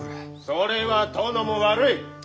それは殿も悪い！